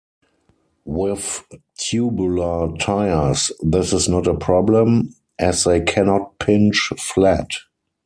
With tubular tires, this is not a problem, as they cannot pinch flat.